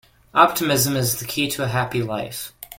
Optimism is the key to a happy life.